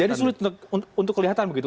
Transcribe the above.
jadi sulit untuk kelihatan begitu